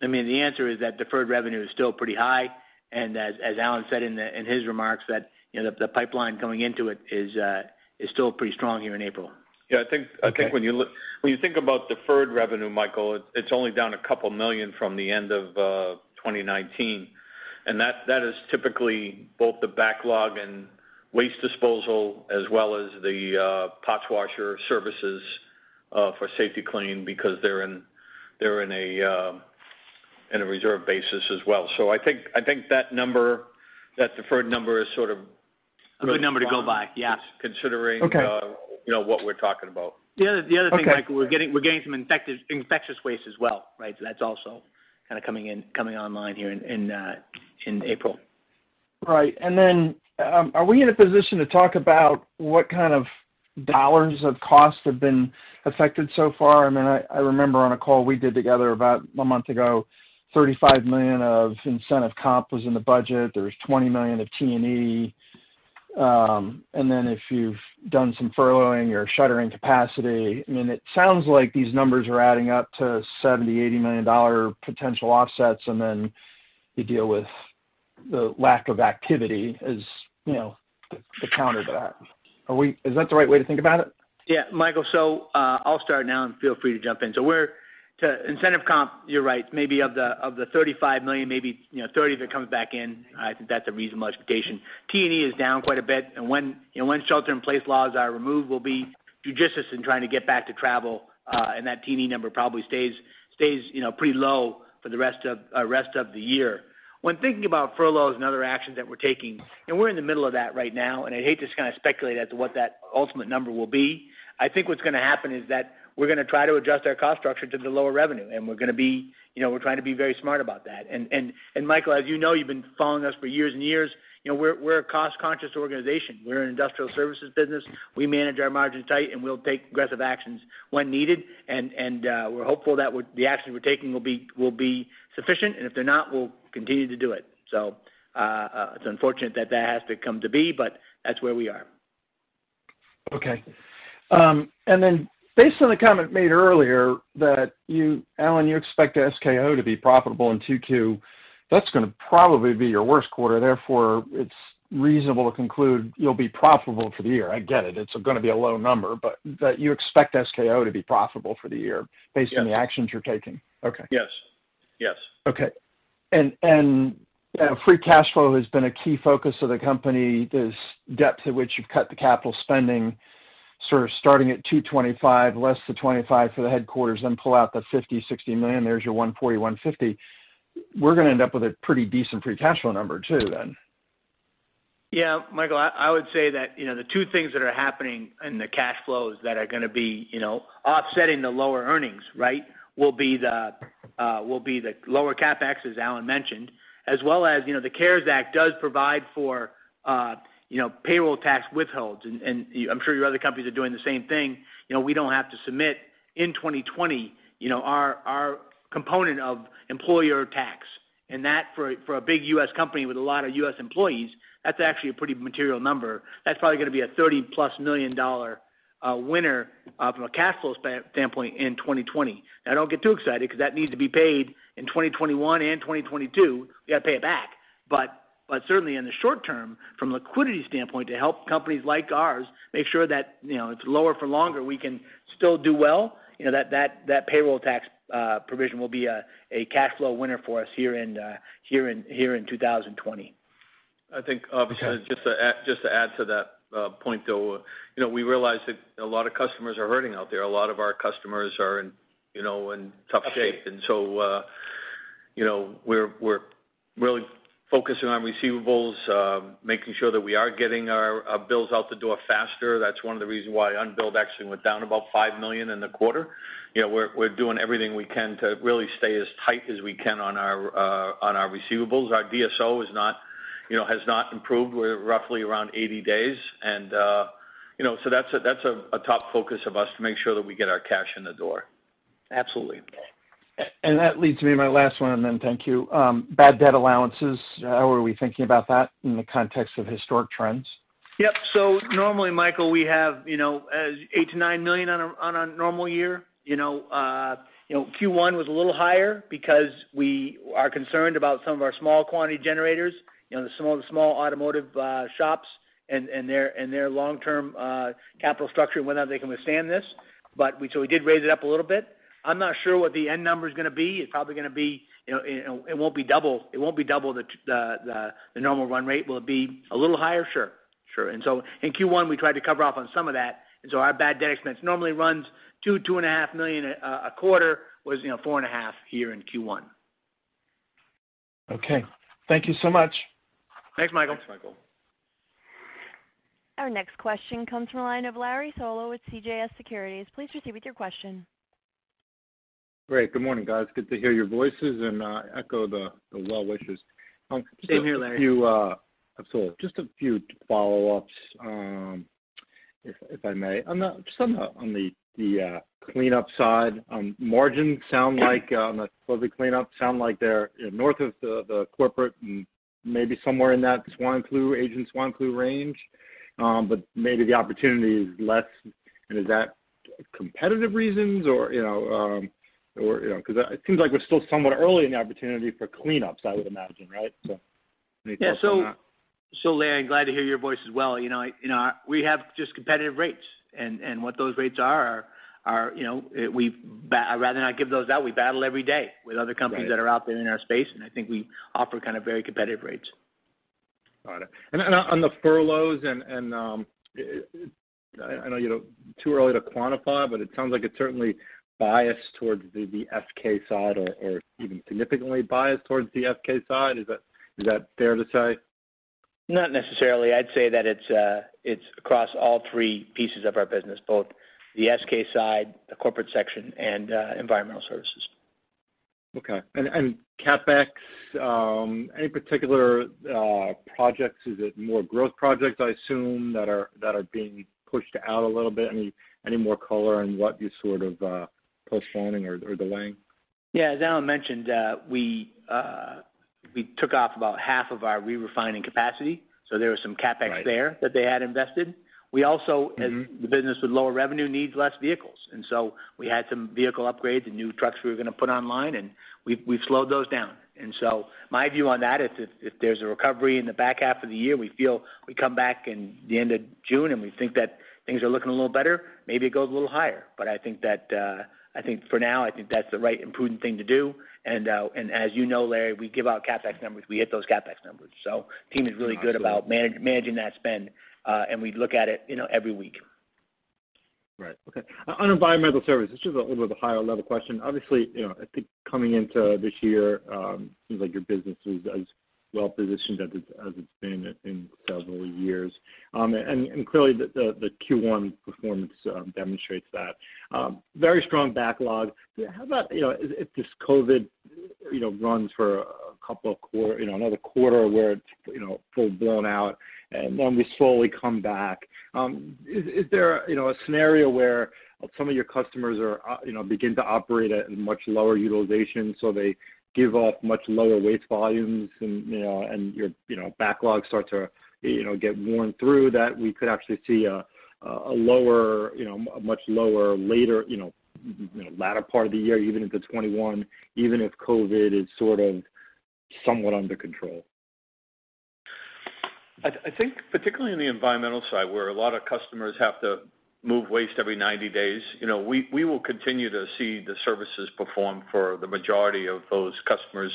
The answer is that deferred revenue is still pretty high, and as Alan said in his remarks, that the pipeline coming into it is still pretty strong here in April. Yeah, I think when you think about deferred revenue, Michael, it's only down a couple million from the end of 2019. That is typically both the backlog in waste disposal as well as the parts washer services for Safety-Kleen because they're in a reserve basis as well. I think that deferred number is sort of. A good number to go by, yeah Considering what we're talking about. The other thing, Michael. We're getting some infectious waste as well, right? that's also kind of coming online here in April. Right. are we in a position to talk about what kind of dollars of cost have been affected so far? I remember on a call we did together about a month ago, $35 million of incentive comp was in the budget. There was $20 million of T&E. if you've done some furloughing or shuttering capacity, it sounds like these numbers are adding up to $70, $80 million potential offsets, and then you deal with the lack of activity as the counter to that. Is that the right way to think about it? Yeah. Michael, I'll start now and feel free to jump in. To incentive comp, you're right. Maybe of the $35 million, maybe $30 of it comes back in. I think that's a reasonable expectation. T&E is down quite a bit. When shelter-in-place laws are removed, we'll be judicious in trying to get back to travel, and that T&E number probably stays pretty low for the rest of the year. When thinking about furloughs and other actions that we're taking, and we're in the middle of that right now, and I'd hate to speculate as to what that ultimate number will be. I think what's going to happen is that we're going to try to adjust our cost structure to the lower revenue, and we're trying to be very smart about that. Michael, as you know, you've been following us for years and years. We're a cost-conscious organization. We're an industrial services business. We manage our margins tight, and we'll take aggressive actions when needed, and we're hopeful the actions we're taking will be sufficient, and if they're not, we'll continue to do it. It's unfortunate that that has to come to be, but that's where we are. Okay. based on the comment made earlier that you, Alan, expect SKO to be profitable in Q2, that's going to probably be your worst quarter. Therefore, it's reasonable to conclude you'll be profitable for the year. I get it. It's going to be a low number, but that you expect SKO to be profitable for the year based on the actions you're taking. Okay. Yes. Okay. Free cash flow has been a key focus of the company. There's depth to which you've cut the capital spending, sort of starting at $225, less the $25 for the headquarters, then pull out the $50, $60 million. There's your $140, $150. We're going to end up with a pretty decent free cash flow number too then. Yeah. Michael, I would say that the two things that are happening in the cash flows that are going to be offsetting the lower earnings will be the lower CapEx, as Alan mentioned, as well as the CARES Act does provide for payroll tax withholds, and I'm sure your other companies are doing the same thing. We don't have to submit in 2020 our component of employer tax, and that, for a big U.S. company with a lot of U.S. employees, that's actually a pretty material number. That's probably going to be a $30+ million winner from a cash flow standpoint in 2020. Now, don't get too excited because that needs to be paid in 2021 and 2022. We've got to pay it back. Certainly, in the short term, from a liquidity standpoint, to help companies like ours make sure that it's lower for longer, we can still do well. That payroll tax provision will be a cash flow winner for us here in 2020. I think, obviously, just to add to that point, though. We realize that a lot of customers are hurting out there. A lot of our customers are in tough shape. We're really focusing on receivables, making sure that we are getting our bills out the door faster. That's one of the reasons why unbilled actually went down about $5 million in the quarter. We're doing everything we can to really stay as tight as we can on our receivables. Our DSO has not improved. We're roughly around 80 days. That's a top focus of us to make sure that we get our cash in the door. Absolutely. That leads me to my last one, and then thank you. Bad debt allowances, how are we thinking about that in the context of historic trends? Yep. Normally, Michael, we have $8 million-$9 million on a normal year. Q1 was a little higher because we are concerned about some of our small quantity generators, some of the small automotive shops and their long-term capital structure and whether or not they can withstand this. We did raise it up a little bit. I'm not sure what the end number's going to be. It won't be double the normal run rate. Will it be a little higher? Sure. In Q1, we tried to cover off on some of that, and so our bad debt expense normally runs $2 million-$2.5 million a quarter, was $4.5 million here in Q1. Okay. Thank you so much. Thanks, Michael. Thanks you. Our next question comes from the line of Larry Solow with CJS Securities. Please proceed with your question. Great. Good morning, guys. Good to hear your voices and echo the well wishes. Same here, Larry. Absolutely. Just a few follow-ups, if I may. On the cleanup side, on margin, on the closed-loop cleanup, sound like they're north of the corporate and maybe somewhere in that Superfund agent, Superfund range. maybe the opportunity is less, and is that competitive reasons? because it seems like we're still somewhat early in the opportunity for cleanups, I would imagine, right? any thoughts on that? Yeah. Larry, I'm glad to hear your voice as well. We have just competitive rates, and what those rates are, I'd rather not give those out. We battle every day with other companies that are out there in our space, and I think we offer kind of very competitive rates. Got it. On the furloughs, and I know too early to quantify, but it sounds like it's certainly biased towards the SK side or even significantly biased towards the SK side. Is that fair to say? Not necessarily. I'd say that it's across all three pieces of our business, both the SK side, the corporate section, and Environmental Services. Okay. CapEx, any particular projects, is it more growth projects, I assume, that are being pushed out a little bit? Any more color on what you're sort of postponing or delaying? Yeah. As Alan mentioned, we took off about half of our re-refining capacity. There was some CapEx there that they had invested. We also, as the business with lower revenue needs less vehicles, and so we had some vehicle upgrades and new trucks we were going to put online, and we've slowed those down. My view on that is if there's a recovery in the back half of the year, we feel we come back in the end of June, and we think that things are looking a little better. Maybe it goes a little higher. I think for now, I think that's the right and prudent thing to do. As you know, Larry, we give out CapEx numbers. We hit those CapEx numbers. The team is really good about managing that spend. We look at it every week. Right. Okay. On environmental services, this is a little bit of a higher level question. Obviously, I think coming into this year, it seems like your business is as well positioned as it's been in several years. Clearly, the Q1 performance demonstrates that. Very strong backlog. How about if this COVID runs for another quarter where it's full blown out, and then we slowly come back. Is there a scenario where some of your customers begin to operate at a much lower utilization, so they give up much lower waste volumes and your backlog starts to get worn through that we could actually see a much lower latter part of the year, even into 2021, even if COVID is sort of somewhat under control? I think particularly in the environmental side, where a lot of customers have to move waste every 90 days. We will continue to see the services perform for the majority of those customers.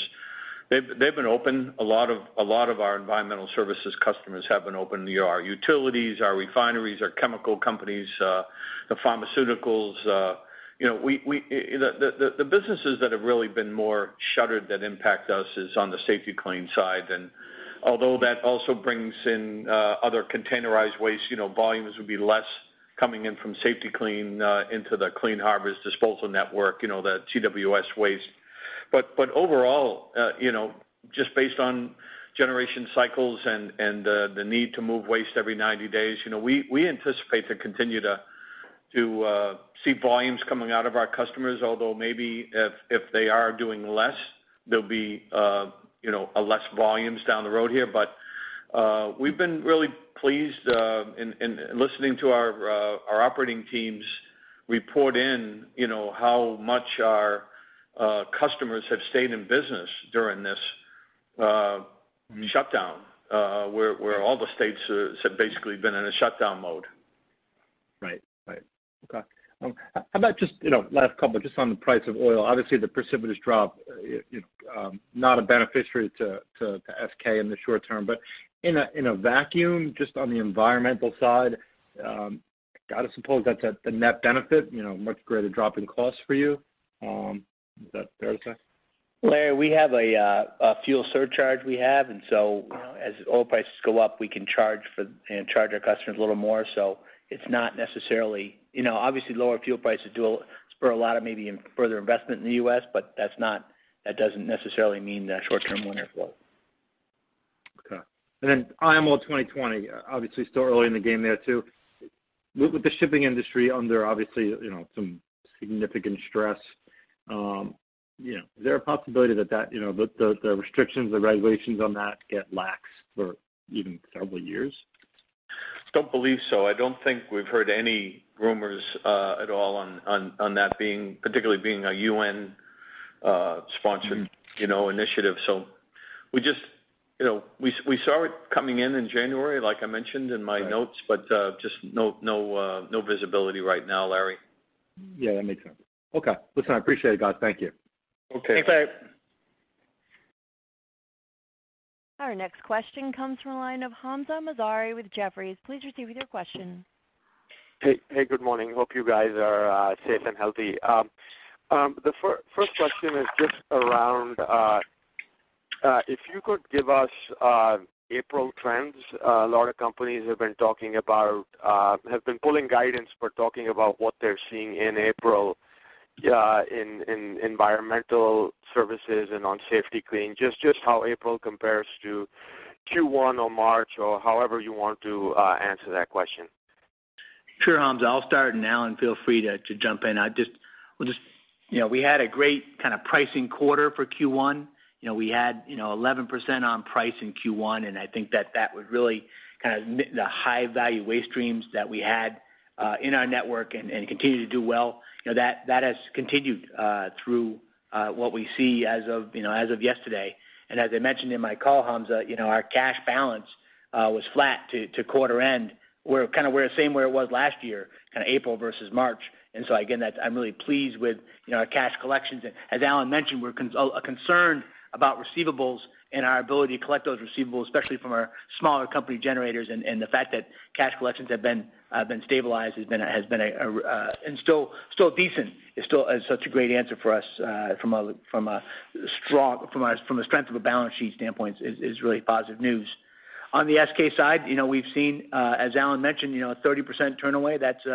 They've been open. A lot of our environmental services customers have been open. Our utilities, our refineries, our chemical companies, the pharmaceuticals. The businesses that have really been more shuttered that impact us is on the Safety-Kleen side. although that also brings in other containerized waste, volumes would be less coming in from Safety-Kleen into the Clean Harbors disposal network, the TWS waste. overall, just based on generation cycles and the need to move waste every 90 days, we anticipate to continue to see volumes coming out of our customers, although maybe if they are doing less, there'll be less volumes down the road here. we've been really pleased in listening to our operating teams report in how much our customers have stayed in business during this shutdown where all the states have basically been in a shutdown mode. Right. Okay. How about just last couple, just on the price of oil. Obviously, the precipitous drop, not a beneficiary to SK in the short term, but in a vacuum, just on the environmental side, got to suppose that's a net benefit, much greater drop in cost for you. Is that fair to say? Larry, we have a fuel surcharge, and so as oil prices go up, we can charge our customers a little more. it's not necessarily Obviously, lower fuel prices spur a lot of maybe further investment in the U.S., but that doesn't necessarily mean that short-term winter flow. Okay. IMO 2020, obviously still early in the game there, too. With the shipping industry under obviously some significant stress. Is there a possibility that the restrictions, the regulations on that get laxed for even several years? Don't believe so. I don't think we've heard any rumors at all on that being particularly a UN-sponsored initiative. We saw it coming in January, like I mentioned in my notes, but just no visibility right now, Larry. Yeah, that makes sense. Okay. Listen, I appreciate it, guys. Thank you. Okay. Thanks, Larry. Our next question comes from the line of Hamzah Mazari with Jefferies. Please proceed with your question. Hey, good morning. Hope you guys are safe and healthy. The first question is just around. If you could give us April trends. A lot of companies have been pulling guidance for talking about what they're seeing in April in Environmental Services and on Safety-Kleen. Just how April compares to Q1 or March or however you want to answer that question. Sure, Hamzah. I'll start, and Alan, feel free to jump in. We had a great kind of pricing quarter for Q1. We had 11% on price in Q1, and I think that would really kind of amid the high-value waste streams that we had in our network and continue to do well. That has continued through what we see as of yesterday. As I mentioned in my call, Hamzah, our cash balance was flat to quarter end. We're kind of the same where it was last year, kind of April versus March. Again, I'm really pleased with our cash collections. As Alan mentioned, we're concerned about receivables and our ability to collect those receivables, especially from our smaller company generators. The fact that cash collections have been stabilized and still decent, is such a great answer for us from a strength of a balance sheet standpoint is really positive news. On the SK side, we've seen, as Alan mentioned, a 30% turn away. That's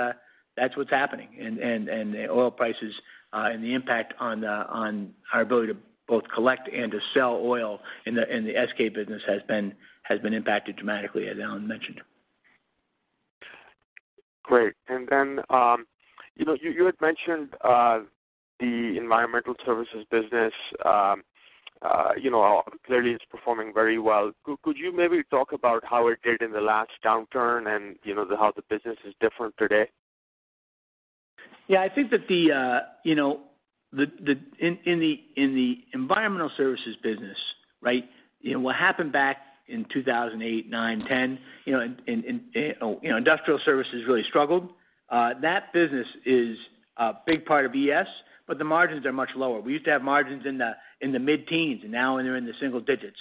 what's happening. The oil prices, and the impact on our ability to both collect and to sell oil in the SK business has been impacted dramatically, as Alan mentioned. Great. You had mentioned the Environmental Services business, clearly it's performing very well. Could you maybe talk about how it did in the last downturn and how the business is different today? Yeah, I think that in the environmental services business, right, what happened back in 2008, '9, '10, industrial services really struggled. That business is a big part of ES, but the margins are much lower. We used to have margins in the mid-teens, and now they're in the single digits.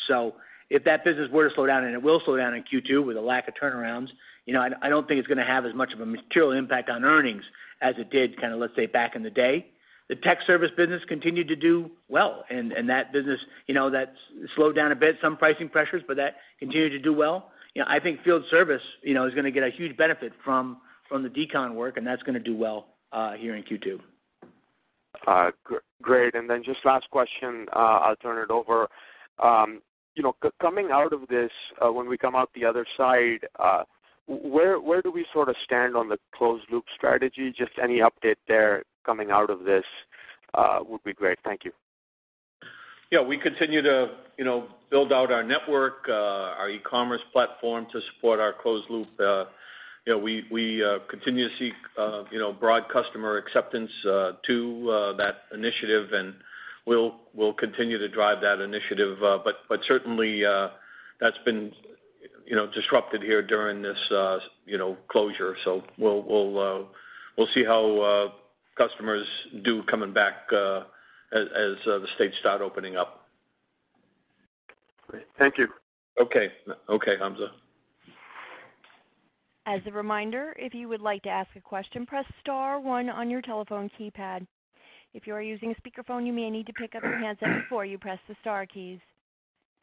if that business were to slow down, and it will slow down in Q2 with a lack of turnarounds, I don't think it's going to have as much of a material impact on earnings as it did kind of, let's say, back in the day. The tech service business continued to do well, and that business, that slowed down a bit, some pricing pressures, but that continued to do well. I think field service is going to get a huge benefit from the decon work, and that's going to do well here in Q2. Great. just last question, I'll turn it over. Coming out of this, when we come out the other side, where do we sort of stand on the closed-loop strategy? Just any update there coming out of this would be great. Thank you. Yeah, we continue to build out our network, our e-commerce platform to support our closed loop. We continue to see broad customer acceptance to that initiative, and we'll continue to drive that initiative. Certainly, that's been disrupted here during this closure. We'll see how customers do coming back as the states start opening up. Great. Thank you. Okay. Okay, Hamza. As a reminder, if you would like to ask a question, press star one on your telephone keypad. If you are using a speakerphone, you may need to pick up your handset before you press the star keys.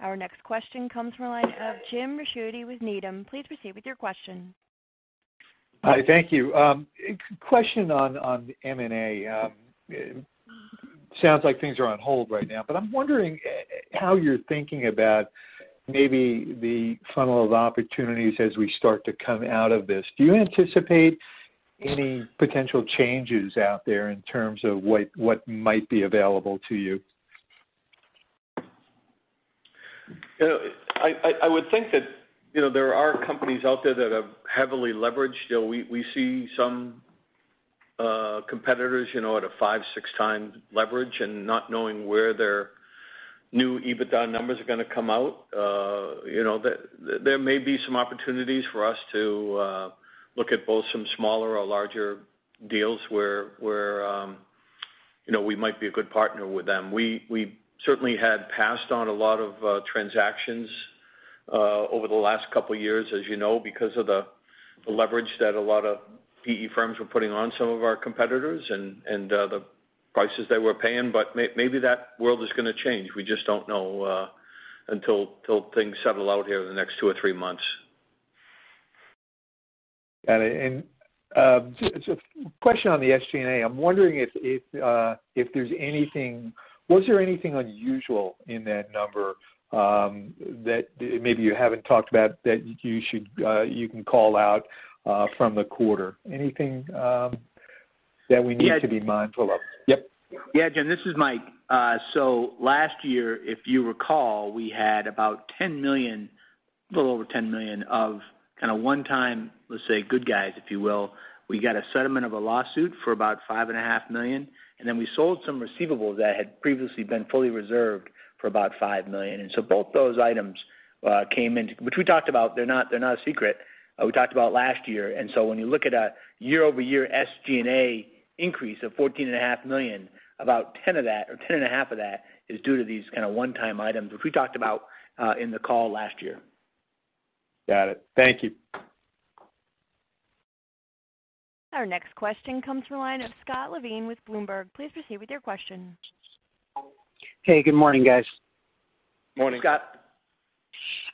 Our next question comes from the line of Jim Ricchiuti with Needham. Please proceed with your question. Hi, thank you. Question on M&A. Sounds like things are on hold right now, but I'm wondering how you're thinking about maybe the funnel of opportunities as we start to come out of this. Do you anticipate any potential changes out there in terms of what might be available to you? I would think that there are companies out there that have heavily leveraged. We see some competitors at a five, six times leverage and not knowing where their new EBITDA numbers are going to come out. There may be some opportunities for us to look at both some smaller or larger deals where we might be a good partner with them. We certainly had passed on a lot of transactions over the last couple of years, as you know, because of the leverage that a lot of PE firms were putting on some of our competitors and the prices they were paying. Maybe that world is going to change. We just don't know until things settle out here in the next two or three months. Got it. Just a question on the SG&A. Was there anything unusual in that number that maybe you haven't talked about that you can call out from the quarter? Anything that we need to be mindful of? Yep. Yeah, Jim, this is Mike. Last year, if you recall, we had about $10 million, a little over $10 million of kind of one-time, let's say, good guys, if you will. We got a settlement of a lawsuit for about five and a half million, then we sold some receivables that had previously been fully reserved for about $5 million. Both those items came in, which we talked about, they're not a secret. We talked about last year. When you look at a year-over-year SG&A increase of $14.5 million, about $10 of that or 10 and a half of that is due to these kind of one-time items, which we talked about in the call last year. Got it. Thank you. Our next question comes from the line of Scott Levine with Bloomberg. Please proceed with your question. Hey, good morning, guys. Morning. Hey, Scott.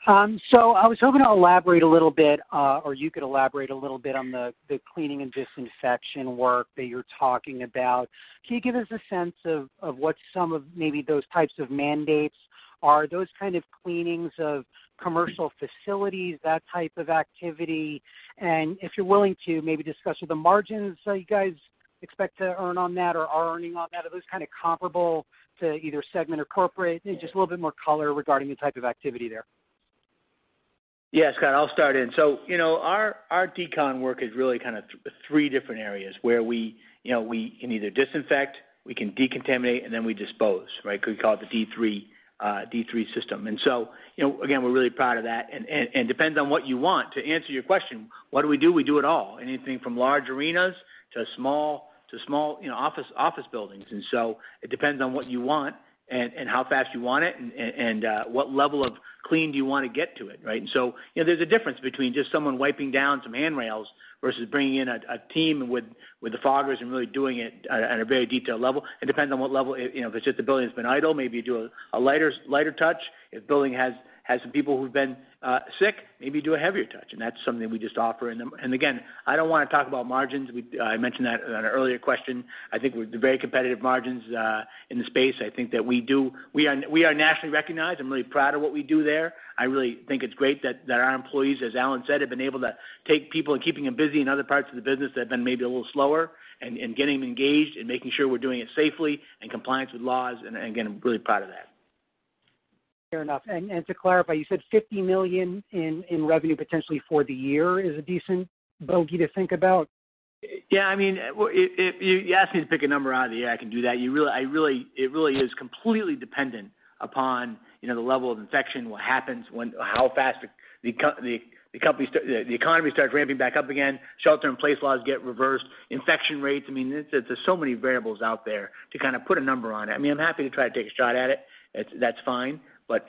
I was hoping to elaborate a little bit, or you could elaborate a little bit on the cleaning and disinfection work that you're talking about. Can you give us a sense of what some of maybe those types of mandates are, those kind of cleanings of commercial facilities, that type of activity? If you're willing to maybe discuss with the margins that you guys expect to earn on that or are earning on that, are those kind of comparable to either segment or corporate? Just a little bit more color regarding the type of activity there. Yeah, Scott, I'll start in. Our decon work is really kind of three different areas where we can either disinfect, we can decontaminate, and then we dispose, right? We call it the D3 system. Again, we're really proud of that, and depends on what you want. To answer your question, what do we do? We do it all. Anything from large arenas to small office buildings. It depends on what you want and how fast you want it, and what level of clean do you want to get to it, right? There's a difference between just someone wiping down some handrails versus bringing in a team with the foggers and really doing it at a very detailed level. It depends on what level. If it's just the building that's been idle, maybe you do a lighter touch. If the building has some people who've been sick, maybe do a heavier touch, and that's something we just offer. Again, I don't want to talk about margins. I mentioned that on an earlier question. I think with the very competitive margins, in the space, I think that we are nationally recognized. I'm really proud of what we do there. I really think it's great that our employees, as Alan said, have been able to take people and keeping them busy in other parts of the business that have been maybe a little slower, and getting them engaged, and making sure we're doing it safely, in compliance with laws. Again, I'm really proud of that. Fair enough. To clarify, you said $50 million in revenue potentially for the year is a decent bogey to think about? Yeah, if you ask me to pick a number out of the air, I can do that. It really is completely dependent upon the level of infection, what happens, how fast the economy starts ramping back up again, shelter-in-place laws get reversed, infection rates. There's so many variables out there to kind of put a number on it. I'm happy to try to take a shot at it. That's fine.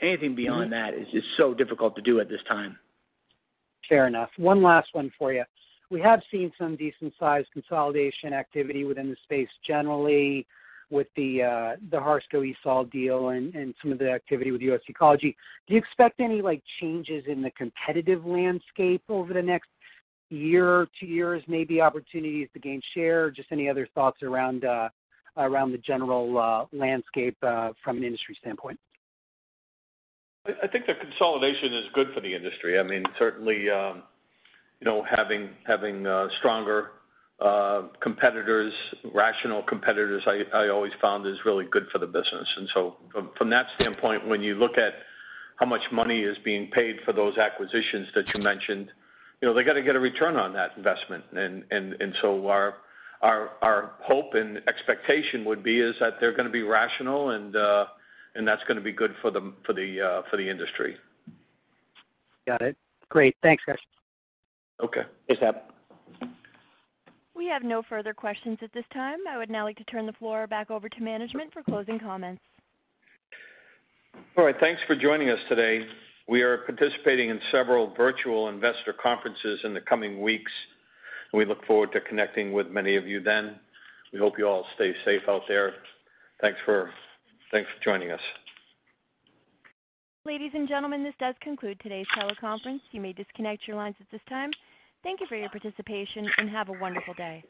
Anything beyond that is just so difficult to do at this time. Fair enough. One last one for you. We have seen some decent-sized consolidation activity within the space generally with the Harsco-ESOL deal and some of the activity with U.S. Ecology. Do you expect any changes in the competitive landscape over the next year or two years, maybe opportunities to gain share, or just any other thoughts around the general landscape from an industry standpoint? I think the consolidation is good for the industry. Certainly having stronger competitors, rational competitors, I always found is really good for the business. From that standpoint, when you look at how much money is being paid for those acquisitions that you mentioned, they got to get a return on that investment. Our hope and expectation would be is that they're going to be rational, and that's going to be good for the industry. Got it. Great. Thanks, guys. Okay. Thanks, Scott. We have no further questions at this time. I would now like to turn the floor back over to management for closing comments. All right. Thanks for joining us today. We are participating in several virtual investor conferences in the coming weeks. We look forward to connecting with many of you then. We hope you all stay safe out there. Thanks for joining us. Ladies and gentlemen, this does conclude today's teleconference. You may disconnect your lines at this time. Thank you for your participation, and have a wonderful day.